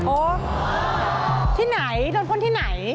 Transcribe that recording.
โอ๊ะที่ไหนโดนปล้นที่ไหน